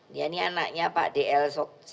dia ini anaknya pak dl